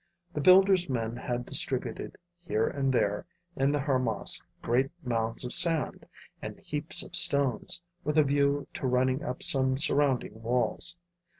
The builders' men had distributed here and there in the harmas great mounds of sand and heaps of stones, with a view to running up some surrounding walls.